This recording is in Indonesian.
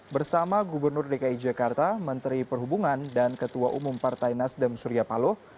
bersama gubernur dki jakarta menteri perhubungan dan ketua umum partai nasdem surya paloh